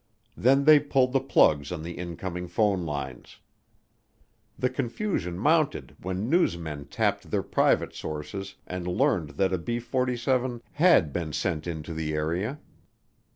Then they pulled the plugs on the incoming phone lines. The confusion mounted when newsmen tapped their private sources and learned that a B 47 had been sent into the area.